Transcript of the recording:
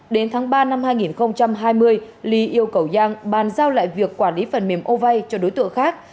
đến tháng ba năm hai nghìn hai mươi li yêu cầu yang bàn giao lại việc quản lý phần mềm ovai cho đối tượng khác